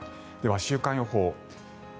では週間予報。